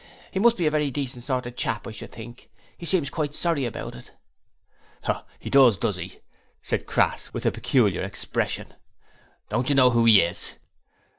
He must be a very decent sort of chap, I should think. He seems quite sorry about it.' 'Oh, he does, does he?' said Crass, with a peculiar expression. 'Don't you know who he is?'